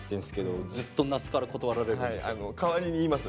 代わりに言います。